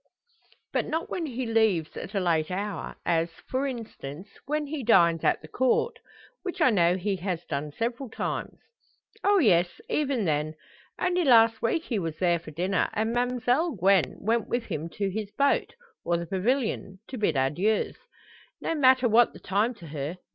"But not when he leaves at a late hour as, for instance, when he dines at the Court; which I know he has done several times?" "Oh, yes; even then. Only last week he was there for dinner; and Ma'mselle Gwen went with him to his boat, or the pavilion to bid adieus. No matter what the time to her.